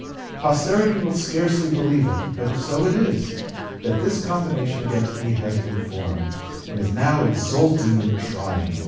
Posterity will scarcely believe it, but so it is, that this combination against me has been formed and is now exulting in triumph (p.